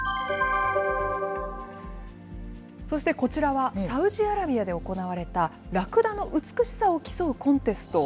そしてこちらは、サウジアラビアで行われた、ラクダの美しさを競うコンテスト。